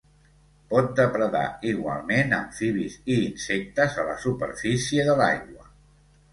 Pot depredar igualment amfibis i insectes a la superfície de l'aigua.